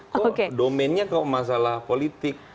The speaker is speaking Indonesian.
kok domennya kok masalah politik